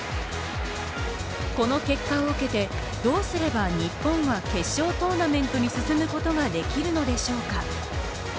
この結果を受けてどうすれば日本は決勝トーナメントに進むことができるのでしょうか。